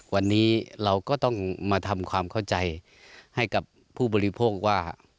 วันนี้เราก็ต้องมาทำความเข้าใจให้กับผู้บริโภคว่า